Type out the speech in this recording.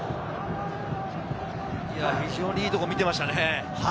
非常にいいところを見ていました。